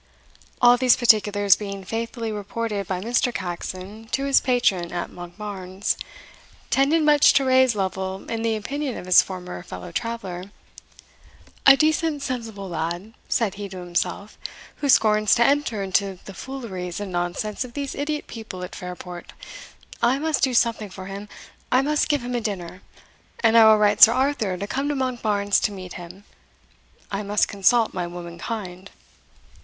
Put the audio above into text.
All these particulars being faithfully reported by Mr. Caxon to his patron at Monkbarns, tended much to raise Lovel in the opinion of his former fellow traveller. "A decent sensible lad," said he to himself, "who scorns to enter into the fooleries and nonsense of these idiot people at Fairport I must do something for him I must give him a dinner; and I will write Sir Arthur to come to Monkbarns to meet him. I must consult my womankind."